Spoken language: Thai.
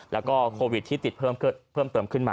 แล้วก็โควิดที่ติดเพิ่มเติมขึ้นมา